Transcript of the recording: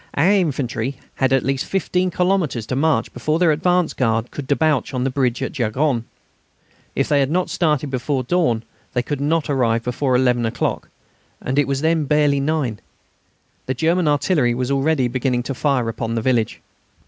Our infantry had at least 15 kilometres to march before their advance guard even could debouch on the bridge at Jaulgonne. If they had not started before dawn they would not arrive before eleven o'clock, and it was then barely nine. The German artillery was already beginning to fire upon the village.